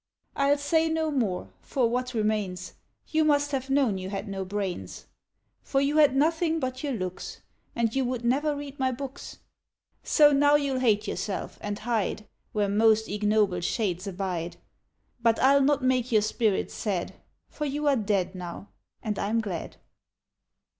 I'll say no more, for what remains ? You must have known you had no brains ; VARIATIONS OF GREEK THEMES 175 For you had nothing but your looks, And you would never read my books. So now you'll hate yourself, and hide Where most ignoble shades abide ; But I'll not make your spirit sad. For you are dead now — and Pm glad.